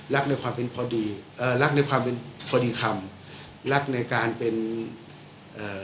ในความเป็นพอดีเอ่อรักในความเป็นพอดีคำรักในการเป็นเอ่อ